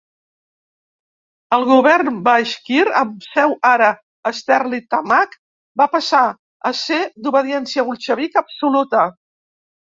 El govern baixkir, amb seu ara a Sterlitamak, va passar a ser d'obediència bolxevic absoluta.